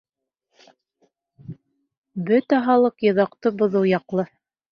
Бөтә халыҡ йоҙаҡты боҙоу яҡлы!